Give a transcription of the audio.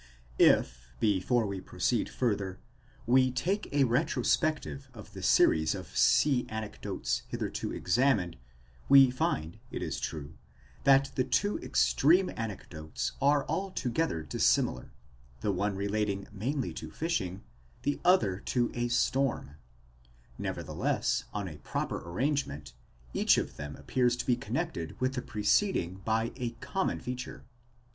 If, before we proceed further, we take a retrospect of the series of sea anecdotes hitherto examined, we find, it is true, that the two extreme anecdotes are altogether dissimilar, the one relating mainly to fishing, the other to a storm; nevertheless, on a proper arrangement, each of them appears to be connected with the preceding by a common feature.